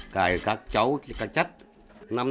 cái cây chuối dây lang do đó thịt thường thơm ngọt hơn